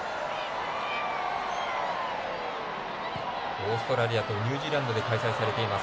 オーストラリアとニュージーランドで開催されています